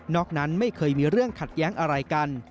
อกนั้นไม่เคยมีเรื่องขัดแย้งอะไรกัน